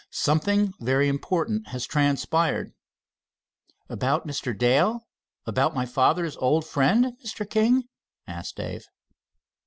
Something very important has transpired." "About Mr. Dale about my father's old friend, Mr. King?" asked Dave.